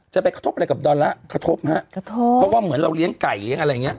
จะไปกระทบอะไรกับดอลลาร์กระทบฮะกระทบเพราะว่าเหมือนเราเลี้ยงไก่เลี้ยงอะไรอย่างเงี้